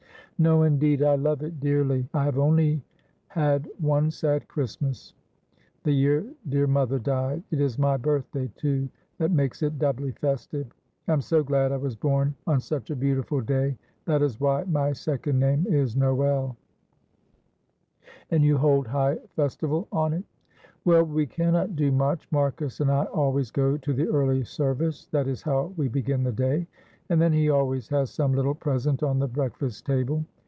"No, indeed; I love it dearly. I have only had one sad Christmas the year dear mother died it is my birthday too, that makes it doubly festive. I am so glad I was born on such a beautiful day; that is why my second name is Noel." "And you hold high festival on it?" "Well, we cannot do much. Marcus and I always go to the early service, that is how we begin the day, and then he always has some little present on the breakfast table.